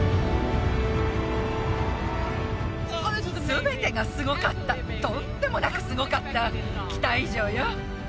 全てがすごかったとんでもなくすごかった期待以上よ